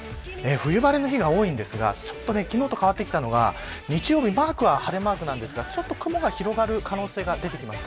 冬晴れの日が多いのですがちょっと変わってきたのは日曜日は晴れマークですが雲が広がる可能性が出てきました。